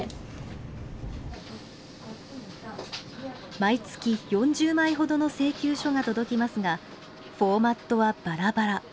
毎月、４０枚ほどの請求書が届きますがフォーマットは、ばらばら。